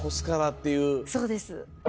そうです。